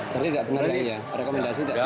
tadi tidak pernah ada rekomendasi